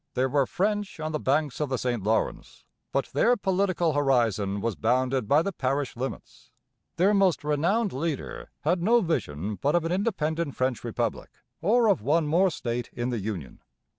There were French on the banks of the St Lawrence, but their political horizon was bounded by the parish limits. Their most renowned leader had no vision but of an independent French republic, or of one more state in the Union.